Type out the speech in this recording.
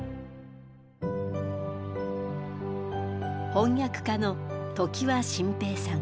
翻訳家の常盤新平さん。